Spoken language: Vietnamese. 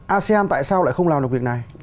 asean tại sao lại không làm được việc này